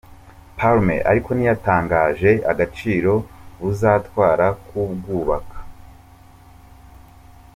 Palmer ariko ntiyatangaje agaciro buzatwara kubwubaka.